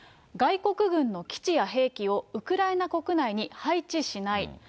外国軍の基地や兵器をウクライナ国内に配置しない。